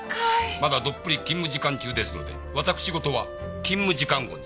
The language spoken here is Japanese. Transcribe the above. まだどっぷり勤務時間中ですので私事は勤務時間後に。